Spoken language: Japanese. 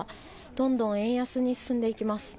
どんどん円安に進んでいきます。